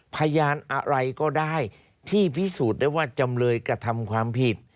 พยานอะไรก็ได้ที่พิสูจน์ได้ว่าจำเลยกระทำความผิด